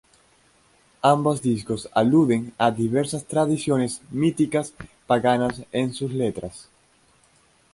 Ambos discos aluden a diversas tradiciones míticas paganas en sus letras.